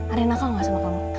arina kalau gak sama kamu